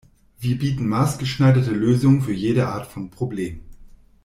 Wir bieten maßgeschneiderte Lösungen für jede Art von Problem!